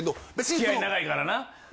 付き合い長いからな。